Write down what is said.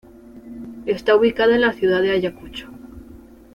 Está ubicada en la ciudad de Ayacucho.